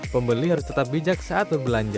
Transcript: pembeli harus tetap bijak saat berbelanja